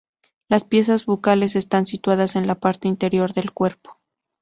Las piezas bucales están situadas en la parte anterior del cuerpo.